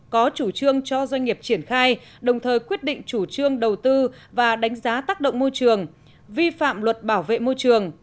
có chủ trương cho doanh nghiệp triển khai đồng thời quyết định chủ trương đầu tư và đánh giá tác động môi trường vi phạm luật bảo vệ môi trường